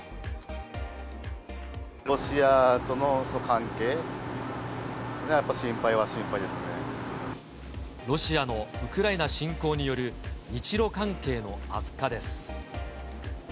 ロシアとのその関係が、ロシアのウクライナ侵攻による日ロ関係の悪化です。